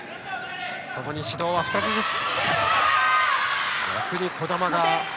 ともに指導は２つずつ。